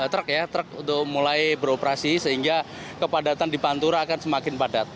truk ya truk mulai beroperasi sehingga kepadatan di pantura akan semakin padat